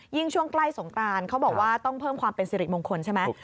ช่วงใกล้สงกรานเขาบอกว่าต้องเพิ่มความเป็นสิริมงคลใช่ไหม